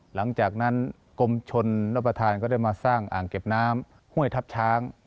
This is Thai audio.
หลังจากนั้นกรมชนรับประทานก็ได้มาสร้างอ่างเก็บน้ำห้วยทัพช้าง